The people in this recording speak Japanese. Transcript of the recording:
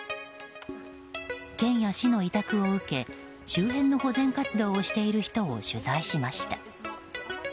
県や市の委託を受け周辺の保全活動をしている人を取材しました。